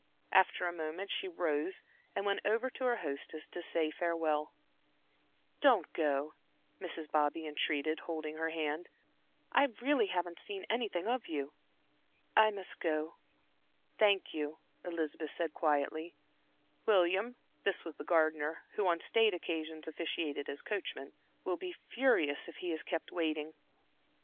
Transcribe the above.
After a moment she rose and went over to her hostess to say farewell. "Don't go," Mrs. Bobby entreated, holding her hand, "I really haven't seen anything of you." "I must go, thank you," Elizabeth said, quietly. "William," this was the gardener, who on state occasions officiated as coachman "will be furious if he is kept waiting."